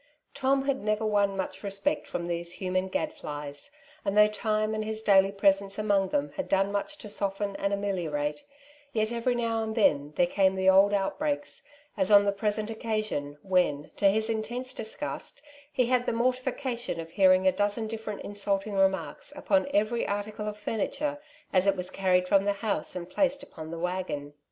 Tom had never won much respect from these human gadflies^ and though time and his daily presence among them had done much to soften and ameliorate, yet every now and then there came the old outbreaks, as on the present occa sion, when, to his intense disgust, he had the mor tification of hearing a dozen diflferent insulting remarks upon every article of furniture as it was carried from the house and placed upon the waggon.